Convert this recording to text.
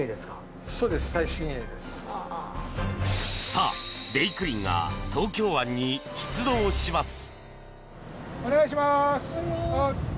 さあ、「べいくりん」が東京湾に出動します。